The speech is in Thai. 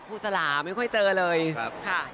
ครูสลาไม่ค่อยเจอเลยค่ะครับ